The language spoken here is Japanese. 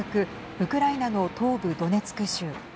ウクライナの東部ドネツク州。